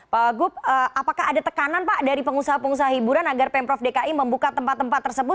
pak wagub apakah ada tekanan pak dari pengusaha pengusaha hiburan agar pemprov dki membuka tempat tempat tersebut